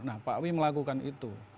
nah pak wi melakukan itu